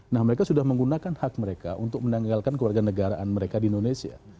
nah mereka sudah menggunakan hak mereka untuk menanggalkan keluarga negaraan mereka di indonesia